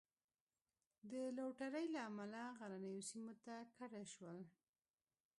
د لوټرۍ له امله غرنیو سیمو ته کډه شول.